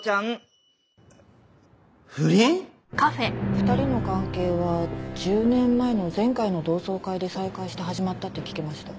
２人の関係は１０年前の前回の同窓会で再会して始まったって聞きました。